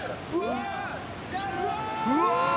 うわ！